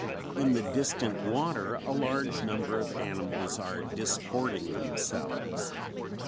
In the distant water a large number of animals are disporting themselves.